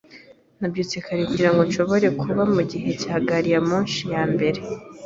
Nabyutse kare kugirango nshobore kuba mugihe cya gari ya moshi ya mbere.